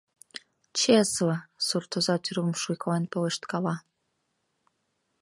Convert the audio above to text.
Чесле! — суртоза тӱрвым шуйкален пелешткала.